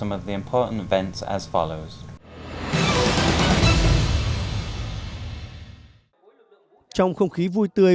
vậy thì có thể chia sẻ với chúng tôi